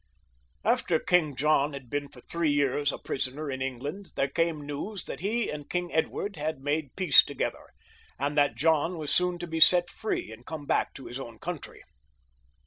After King John had been for three years a prisoner in England there came news that he and King Edward had made peace together, and that John was soon to be set free and come back to his own country.